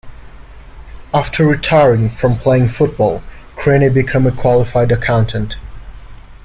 After retiring from playing football, Creaney became a qualified accountant.